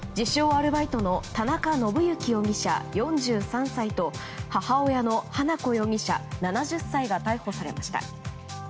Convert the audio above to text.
アルバイトの田中信幸容疑者、４３歳と母親の花子容疑者、７０歳が逮捕されました。